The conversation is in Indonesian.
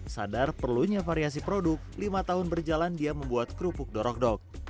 sadar perlunya variasi produk lima tahun berjalan dia membuat kerupuk dorok dok